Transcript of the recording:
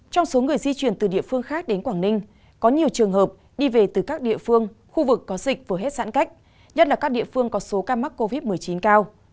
trong số người di chuyển từ địa phương khác đến quảng ninh có nhiều trường hợp đi về từ các địa phương khu vực có dịch vừa hết giãn cách nhất là các địa phương có số ca mắc covid một mươi chín cao